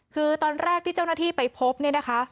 คือตอนแรกที่เจ้าหน้าที่ไปพบเนี่ยนะคะ